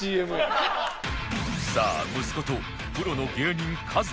さあ息子とプロの芸人 ＫＡＭＡ